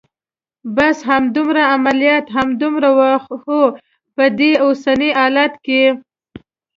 بس همدومره؟ عملیات همدومره و؟ هو، په دې اوسني حالت کې.